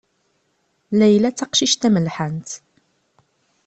Layla d taqcict tamelḥant.